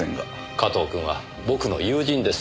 加藤君は僕の友人です。